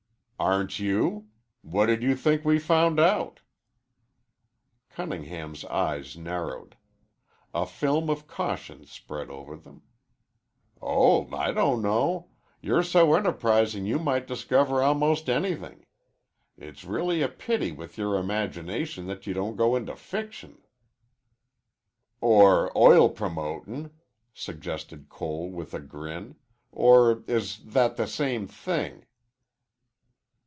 "Aren't you? What did you think we found out?" Cunningham's eyes narrowed. A film of caution spread over them. "Oh, I don't know. You're so enterprising you might discover almost anything. It's really a pity with your imagination that you don't go into fiction." "Or oil promotin'," suggested Cole with a grin. "Or is that the same thing?"